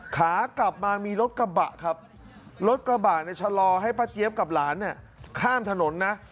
ขากลับมามีรถกระบะครับรถกระบะเนี่ยชะลอให้ป้าเจี๊ยบกับหลานเนี่ยข้ามถนนนะ